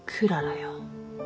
よ